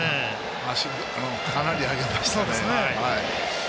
足、かなり上げましたね。